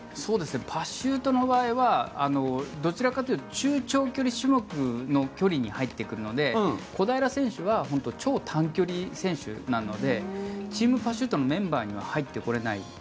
パシュートの場合はどちらかというと中長距離種目の距離に入ってくるので小平選手は超短距離選手なのでチームパシュートのメンバーには入ってこれない。